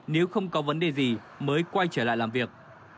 nếu không có vấn đề gì mới quay trở lại làm việc